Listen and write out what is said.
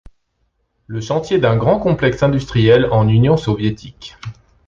Le chantier d'un grand complexe industriel en Union soviétique.